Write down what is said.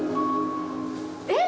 えっ！